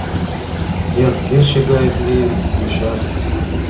Эр кече гай лийын йочат.